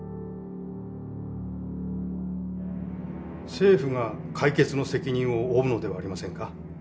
政府が解決の責任を負うのではありませんか。